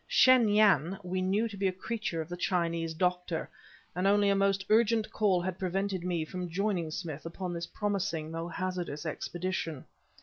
Shen Yan we knew to be a creature of the Chinese doctor, and only a most urgent call had prevented me from joining Smith upon this promising, though hazardous expedition.